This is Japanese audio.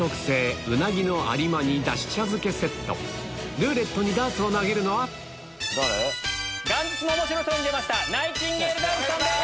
ルーレットにダーツを投げるのは元日の『おもしろ荘』に出ましたナイチンゲールダンスさんです。